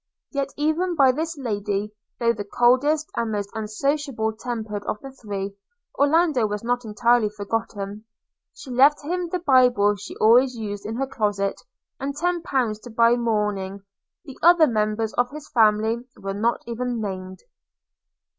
Yet even by this lady, though the coldest and most unsociable tempered of the three, Orlando was not entirely forgotten – she left him the bible she always used in her closet, and ten pounds to buy mourning: the other members of his family were not even named.